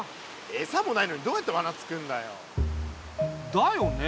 エサもないのにどうやってわなつくるんだよ。だよね。